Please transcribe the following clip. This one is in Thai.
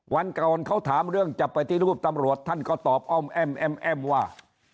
วันก่อนเขาถามเรื่องจะปฏิรูปตำรวจท่านก็ตอบอ้อมแอ้มว่า